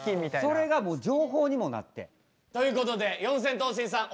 それがもう情報にもなって。ということで四千頭身さん